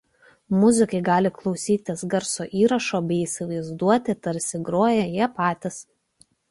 Muzikai gali klausytis garso įrašų bei įsivaizduoti tarsi groja jie patys.